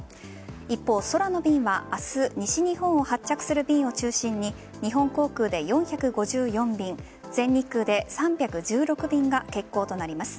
一方、空の便は明日西日本を発着する便を中心に日本航空で４５４便全日空で３１６便が欠航となります。